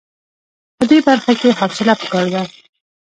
په دې برخه کې حوصله په کار ده.